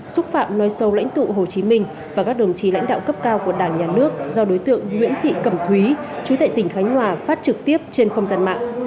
xúc phạm nói sâu lãnh tụ hồ chí minh và các đồng chí lãnh đạo cấp cao của đảng nhà nước do đối tượng nguyễn thị cẩm thúy chú tệ tỉnh khánh hòa phát trực tiếp trên không gian mạng